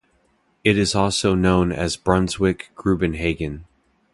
It is also known as Brunswick-Grubenhagen.